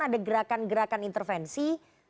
ada gerakan gerakan intervensi